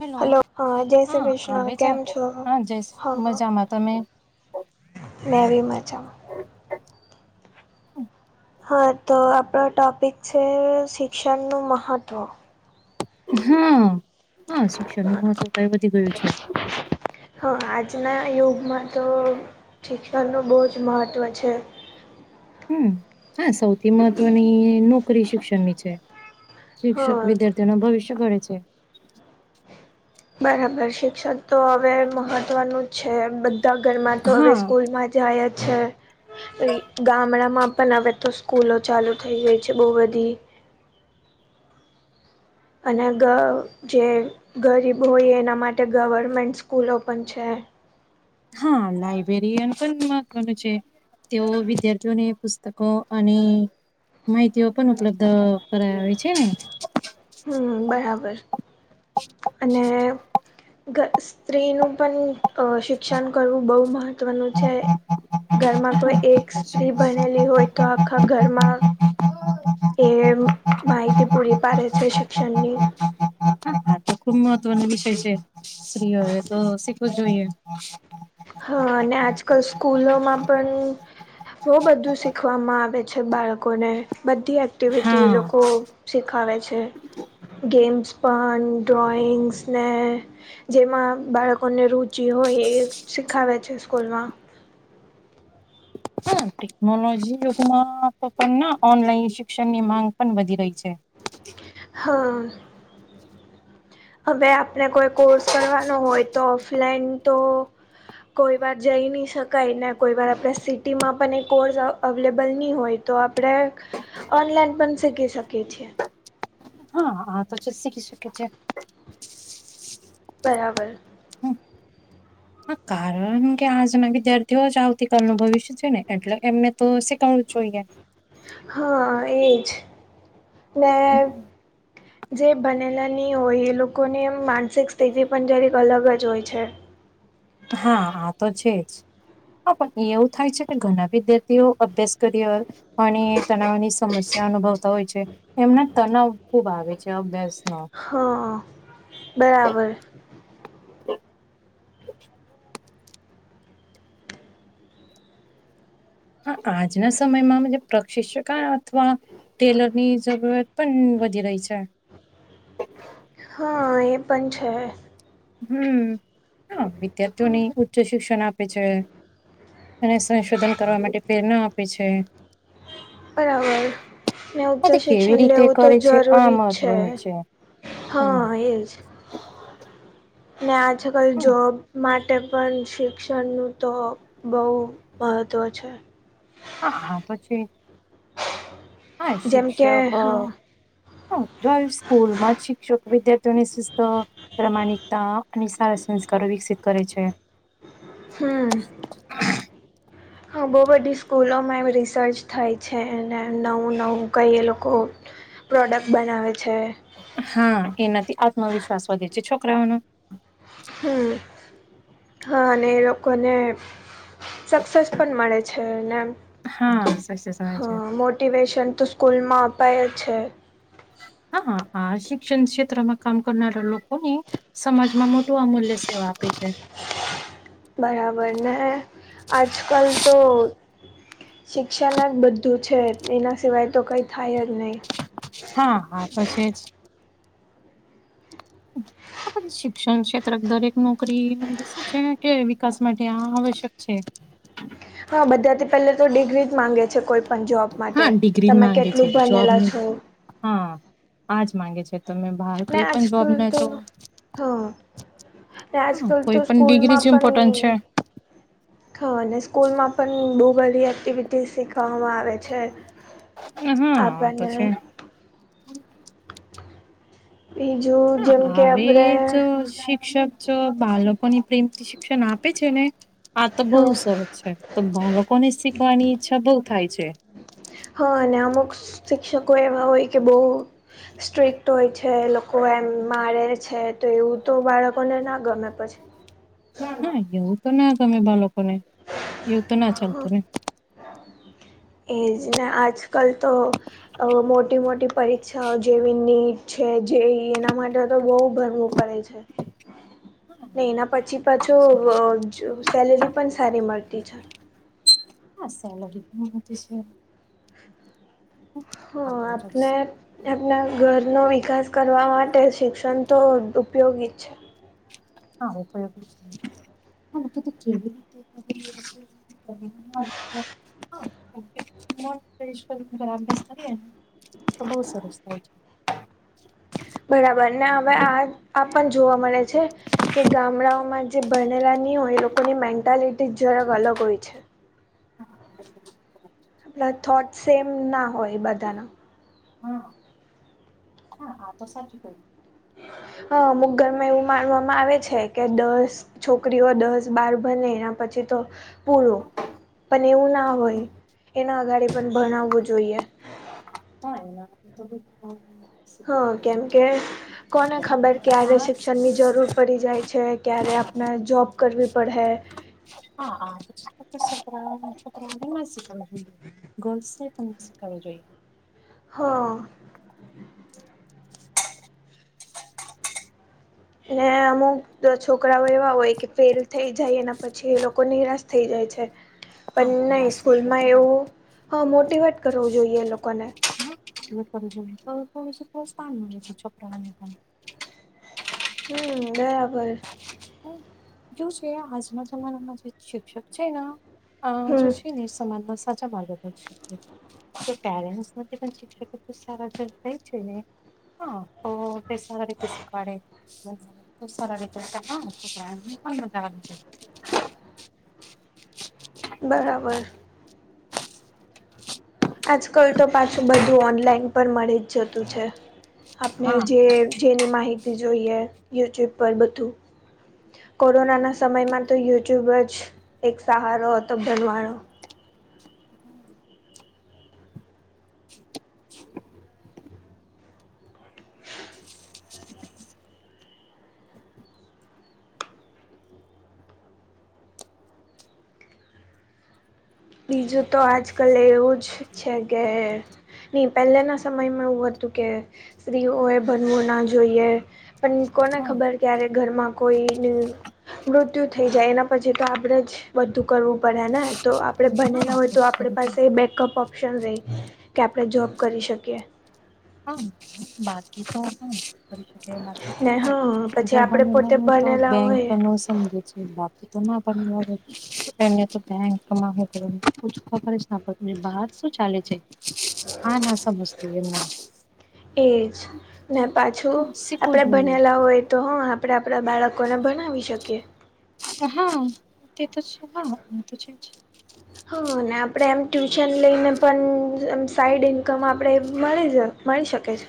Hello hello હા જય શ્રી કૃષ્ણ આવે છે કેમ છો? હા જય હ. મજામાં તમે મે રી મજા. હા તો આપણો ટોપિક છે શિક્ષણનું મહત્વ. હ પણ શિક્ષણનું મહત્ત્વ અત્યારે વધી ગયું છે. હા, આજના યુગમાં તો શિક્ષણનું બહુ જ મહત્વ છે, હમ્મ સૌથી મહત્વની નોકરી શિક્ષણ છે, શિક્ષક હા વિદ્યાર્થીઓનો ભવિષ્ય કરે છે બરાબર શિક્ષણ તો હવે મહત્વનું જ છે, બધા ઘરમાં તો હવે હા સ્કૂલમાં જ જાય જ છે. ગામડામાં પણ હવે તો સ્કૂલો ચાલુ થઈ ગઈ છે, બહુ બધી. અને ગ જે ગરીબ હોય એના માટે ગવર્મેન્ટ સ્કૂલો પણ છે. હા, લાયબ્રેરિયન પણ મહત્વનું છે. તેઓ વિદ્યાર્થીઓને પુસ્તકો અ અને માહિતીઓ પણ ઉપલબ્ધ કરાવ હો છે ને? હમ્મ બરાબર. અને, ગ સ્ત્રીનું પણ. અ શિક્ષણ કરવું બહુ મહત્વનું છે. ઘરમાં હા કોઈ એક સ્ત્રી ભણેલી હોય તો આખા ઘરમાં. એ માહિતી પૂરી પાડે છે શિક્ષણની, તો ખુબ મહત્વનો વિષય છે, સ્ત્રીઓ એ તો શીખવો જોઈએ. હા!, અને આજકાલ સ્કૂલોમાં પણ. બહુ બધું શીખવામાં આવે છે, બાળકોને બધી એક્ટિવિટી હા લોકો શીખાવે છે, ગેમ્સ પણ ડ્રોઈંગ્સને જેમાં બાળકોને રુચિ હોય એ શીખાવે છે સ્કૂલમાં. હા ટેકનોલોજી યુગમાં તો પણ ઓનલાઈન શિક્ષણ ની માંગ પણ વધી રહી છે. હા, હવે આપણે કોઈ કોર્સ કરવાનો હોય તો ઓફલાઈન તો કોઈ વાર જઈ નહીં શકાય ને, કોઈ વાર આપણે સિટીમાં પણ એ કોર્સ અવેલેબલ નહીં હોય. તો આપણેે ઓનલાઈન પણ શીખી શકીએ છીએ, હ હા તો શીખી શકે છે. બરાબર. હમ, હા, કારણ કે આજના વિદ્યાર્થીઓ જ આવતીકાલ અનું ભવિષ્ય છે ને. એટલે એમને તો શીખવવું જ જોઈએ. હા એજ, મેં જે બનેલા નહીં હોય, એ લોકોની એમ માનસિક સ્થિતિ પણ જરેક અલગ જ હોય છે. હા! આ તો છે જ. હા પણ એવું થાય છે કે, ઘણા વિદ્યાર્થીઓ અભ્યાસ કર્યો. અનેણી તનાવની સમસ્યા અનુભવતા હોય છે. એમને તનાવ ખુબ આવે છે અભ્યાસ નો હા! બરાબર. [unintelligible] હા. આજના સમયમાં પ્રશિક્ષકા અથવા ટેલર ની જરૂરત પણ વધી રહી છે. હા એ પણ છે. હમ્મ, વિદ્યાર્થીઓની ઉચ્ચ શિક્ષણ આપે છે. અને સંશોધન કરવા માટે પ્રેરણા આપે છે. બરાબર. ને ઉચ્ચ આ તે કેવી શિક્ષણ રીતે લેવું તો કરે છે આ જરૂરી જ છે. મહત્વનું હા એજ. ને આજ કલ હમ જોબ માટે પણ શિક્ષણનું તો બહુ મહત્ત્વ છે. હા હા! પછી. હા જેમ શિક્ષક. કે હમ જો સ્કૂલમાં જ શિક્ષકો વિદ્યાર્થીઓની સુસ્ત પ્રમાણિક. અને સારા સંસ્કારો વિકસિત કરે છે. હમમ [inaudible] હા બહુ બધી સ્કૂલોમાં એમ રિસર્ચ થઈ છે. અને ને નવું નવું કઈ એ લોકો પ્રોડક્ટ બનાવે છે. હા! એનાથી આત્મવિશ્વાસ વધે છે છોકરાઓનો. હમ! હા! અને એ લોકોને સક્સેસ પણ મળે છે. ને હા સાચે સમય છે હા! મોટિવેશન તો સ્કૂલમાં અપાય છે. હા! હા આ શિક્ષણ ક્ષેત્રમાં કામ કરનારા લોકોને સમાજમાં મોટું અમૂલ્ય સેવા આપે છે. બરાબર ને આજકાલ તો શિક્ષાના બધ બધું છે એના સિવાય તો કંઈ થાય જ નહીં. હા હા તો છે જ [inaudible] શિક્ષણ ક્ષેત્ર દરેક નોકરી શું છે કે વિકાસ માટે આવશ્યક છે. હા બધા થી પેલે તો ડિગ્રી જ માંગે છે કોઈ પણ જોબ માટે હા જ તમે માંગે છે કેટલું ભણેલા જોબની છો? હા આજ માંગે છે તમે બહાર ને કઈ પણ જોબ આજકાલ ના તો જો હા હા આજકાલ તો કોઈ પણ ડિગ્રી સ્કૂલમાં જ ઇમ્પોર્ટન્ટ પણ છે અને સ્કૂલમાં પણ બહુ બધી એક્ટિવિટીઝ શીખવામાં આવે. હોય છે આપ હા તો છે [unintelligible] એજો હા હવે એ જ શિક્ષક બાલકોની પ્રેમથી શિક્ષણ આપે છે ને આ તો બહુ હા સરળ તો લોકો ને શીખવાની ઈચ્છા બઉ થાય છે. હા અને અમુક શિક્ષકો એવા હોય કે બઉ- સ્ટ્રિક્ટ હોય છે લોકો એમ મારે છે તો એવું તો બાળકોને ના ગમે પછી ના એવું તો ના ગમે બાલકોને એવું તો ના હ ચાલતું ને એજ ને આજ કાલ તો મોટી મોટી પરીક્ષાઓ જેવી નીટ છે જેઈ એના માટે તો બહુ ભણવુ પડે છે. નહી એના પછી પાછો સેલેરી પણ સારી મળતી છે. હા સેલરી પણ મળે છે. હં આપણે હા આપના ઘરનો વિકાસ કરવા માટે શિક્ષણ તો ઉપયોગી જ છે. હા ઉપયોગી છે. હ તો તો કેવી [unintelligible] રાબને બ સરસ થાય છે [inaudible] બરાબર ને હવે આ પણ જોવા મળે છે. કે ગામડાઓમાં જે ભણેલા નહીં હોય એ લોકોની મેન્ટલિટી જ જરાક અલગ હોય છે. [inaudible] આપણા થોટ સેમ ના હોય બધાના હા હા હા તો સાચી કોઈ અમુક ધરમાં એવું માનવામાં આવે છે કે દસ છોકરીઓ દસ બાર ભણે એના પછી તો પૂરું. પણ એવું ના હોય એના આગળ પણ ભણાવવું જોઈએ. ક [unintelligible] હ કેમ કે કોને ખબર ક્યારે આ શિક્ષણ ની જરૂર પડી જાય છે ક્યારે આપણે જોબ કરવી પડહે હરા ગો [unintelligible] સાત અ જ હા ને અમુક છોકરાઓ એવા હોય કે ફેલ થઈ જાય એ અને પછી એ લોકો નિરાશ થઈ જાય છે. હા પણ નહી નિરાશ થાય સ્કૂલમાં છે. એવું મોટીવેટ કરવું જોઈએ લોકોને હ થોડું સ્થાન મળે છે. છોકરા ઓને હમ્મ, બરાબર જો છે આજના જમાનામાં જે શિક્ષક છે. હમ સમાજને સાચા માર્ગે તો પેરેન્ટ્સ પણ શિક્ષકો તો સારા સર થાય છેને હા, તો તે સારી રીતે શીખવાડે સારા રીતે હા હ બરાબર હ આજકાલ તો પાછું બધું ઓનલાઈન પણ મળી જ જતું છે, આપણે હા જે જેની માહિતી જોઈએ યુટ્યુબ પર બધું કોરોનાના સમયમાં તો યુટ્યુબ જ એક સહારો હતો ભનવાનો બીજું તો આજકાલ એવું જ છે, કે નહી પહેલાના સમયમાં એવું હતુ, કે સ્ત્રીઓએ ભણવું ના જોઈએ પણ કોને હા ખબર ક્યારે ઘરમાં કોઈ ન મૃત્યુ થઈ જાય એના પછી, તો આપણેે જ બધું કરવું પડે ને તો આપણે બનેલા હા હોય તો આપણી હા પાસે બેકઅપ ઓપ્શન રહી, કે આપણે જોબ કરી શકીએ હા, બાકી તો હ બા ને હા પછી બ આપણે પોતે હોય તો ભણેલા બેંક હોય ન સમજે છે. ને તો બંકમાં ખબર બહાર શું ચાલે છે, આ ના સમજત એમ ના એ જ ને પાછું શીખવું આપણે જોઈએ બનેલા હોય તો હં આપણે આપણા બાળકોને ભનાવી શકીએ હા તે તો હા, તો હ, અને આપણે એમ ટ્યુશન લઈને પણ એમ સાઈડ ઇન્કમ આપણે મળી જ મળી શકે છે.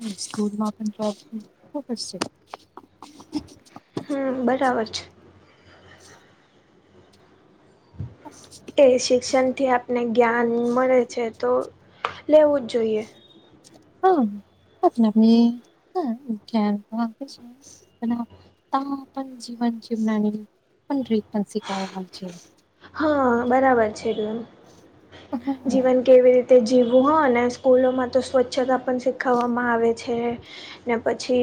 કે સ્કૂલમાં પણ ફોકસ છે. હમ બરાબર છે. અચ એ શિક્ષણથી આપને જ્ઞાન મળે છે તો લેવું જ જોઈએ હા આપની હ બ તા પજી ભંજી બનાની પણીપસી કઢવા છે. હા બરાબર છે એકદમ હમ્મ, જીવન કેવી રીતે જીવવું હો અને સ્કૂલો માં તો સ્વચ્છતા પણ શીખવવામાં આવે ને પછી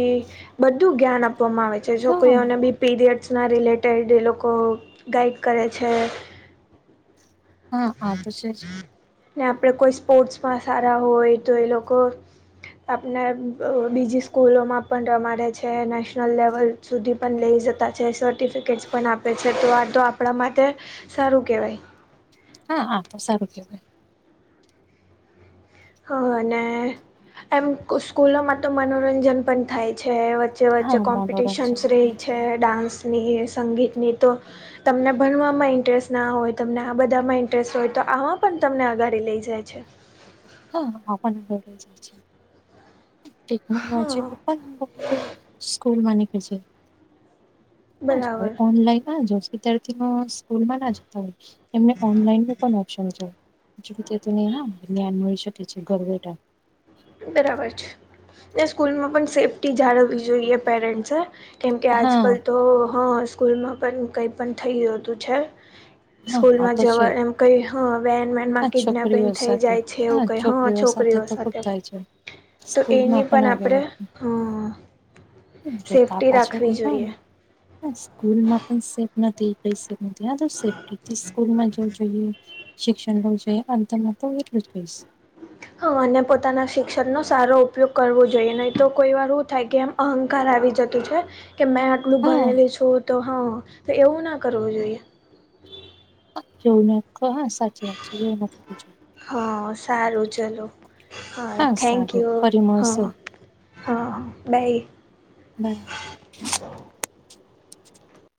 બધું જ્ઞાન આપવામાં આવે છે. હા, છોકરીઓને બી- પીરિયડ્સના રિલેટેડ એ લોકો ગાઈડ કરે છે. હા, હા તોછ ને આપડે કોઈ સ્પોર્ટ્સમાં સારા હોય, તો એ લોકો આપને બીજી સ્કૂલોમાં પણ રમાડ છે. નેશનલ લેવલ- સુધી પણ લઈ જતા છે, સર્ટિફિકેટ્સ પણ આપે છે. તો આ તો આપણા માટે સારું, કેવાય હા, હા તો સારું કેવાય હ, અને એમ સ્કૂલોમાં તો મનોરંજન પણ થાય છે. જે વચ્ચે હા, કોમ્પિટિશન્સ મનોરંજન રહી થાય છે ડાન્સની સંગીતની તો તમને ભણવામાં ઇન્ટરેસ્ટ ના હોય તમને આ બધામાં ઇન્ટરેસ્ટ હોય તો આમાં પણ તમને અગાડી લઈ જાય છે. હા આપણ [inaudible] જાય છે હા ટેકનોલોજીમાં પણ બ સ્કૂલ [inaudible] ખે છે બરાબર હ ઑનલાન હ જો વિધાર્થી ન [inaudible] ના જતા હોય એમને ઓનલાઈન નો પણ ઓપ્શન છે જેમ કે [unintelligible] શકી છે ઘર વેટા બરાબર છે ને સ્કૂલમાં પણ સેફ્ટી જાળવવી જોઈએ પેરેન્ટસે કેમકે આજ હા, કલ તો હા સ્કૂલમાં પણ કઈ પણ થઈ જતું છે. હા સ્કૂલ આ માં તો છે જવા જ એમ કઈ હ વેન મે હા કિડનેપિંગ છોકરીઓ થઈ સાથે જાય છે હા એવું કઈ હ છોકરીઓ તો ખુબ સાથે થાય છે. તો સ્કૂલમાં એની પણ હવે આપણે હ સેફ્ટી રાખવી જોઈએ. હા સ્કૂલમાં પણ સેફ નથી કઈ સેફ નથી આ તો સેફ્ટી થી સ્કૂલમાં પણ જોઈએ. શિક્ષણ હોવું જોઈએ, અંતમાં તો હું એટલું જ કઈસ. હા અને પોતાના શિક્ષણનો સારો ઉપયોગ કરવો જોઈએ નહીં તો કોઈ વાર હું થાય કે એમ અહંકાર આવી જતું છે કે મેં હું હા ભણેલી છું. તો હા તો એવું ના કરવું જોઈએ. એવું નકહ, સાચી વાત છે એવું નથી પૂછ્યું. હા, સારું ચલો. હા થેન્ક સારું યુ, ફરી હા, હા, મળશું હા, બાય. [unintelligible]